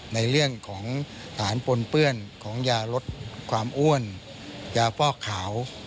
ในเรื่องของฐานปนเปื้อนของยาลดความอ้วนยาฟอกขาว